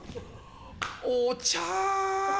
お茶。